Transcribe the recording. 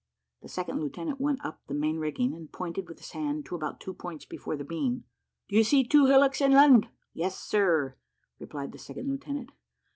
The second lieutenant went up the main rigging, and pointed with his hand to about two points before the beam. "Do you see two hillocks inland?" "Yes, sir," replied the second lieutenant.